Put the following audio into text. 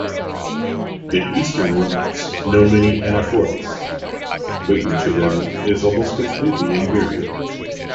The Eastern Rites know many anaphoras, but each of them is almost completely invariable.